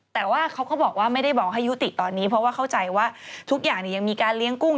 แต่ว่าเขาก็บอกว่าไม่ได้บอกให้ยุติตอนนี้เพราะว่าเข้าใจว่าทุกอย่างยังมีการเลี้ยงกุ้ง